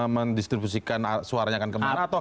mendistribusikan suaranya akan kemana